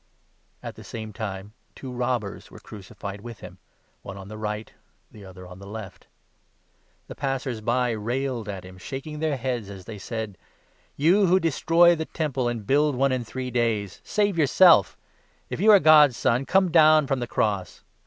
At the same time two robbers were crucified with him, one on 38 the right, the other on the left. The passers by railed 39 at him, shaking their heads as they said : 40 " You who ' destroy the Temple and build one in three days,' save yourself! If you are God's Son, come down from the cross